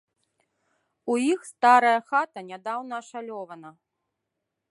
У іх старая хата нядаўна ашалёвана.